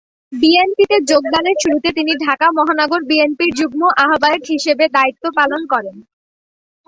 বিএনপিতে যোগদানের শুরুতে তিনি ঢাকা মহানগর বিএনপির যুগ্ম আহ্বায়ক হিসেবে দায়িত্ব পালন করেন।